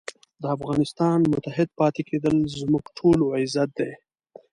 د افغانستان متحد پاتې کېدل زموږ ټولو عزت دی.